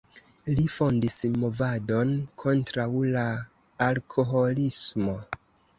Li fondis movadon kontraŭ la alkoholismo.